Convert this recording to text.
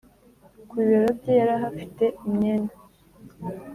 Ku bibero bye yari ahafite imyenda